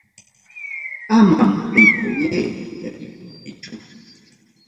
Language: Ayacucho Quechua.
Amam taytallay llakillankichu.